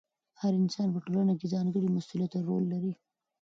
هر انسان په ټولنه کې ځانګړی مسؤلیت او رول لري.